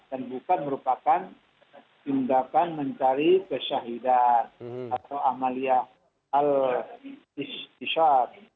dan bukan merupakan tindakan mencari kesyahidat atau amalia al ishtishad